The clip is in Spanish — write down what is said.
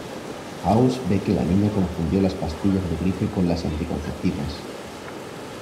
House ve que la niña confundió las pastillas de gripe con las anticonceptivas.